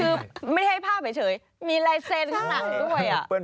คือไม่ได้ภาพไปเฉยมีลายเซ็นข้างหนังด้วยอ่ะ